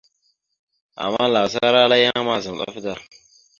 Ama lazar ala yan mazam ɗaf da.